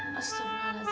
kok biru kemana sih